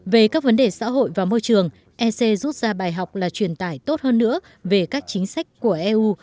về các vấn đề xã hội và môi trường ec rút ra bài học là truyền tải tốt hơn nữa về các chính sách của eu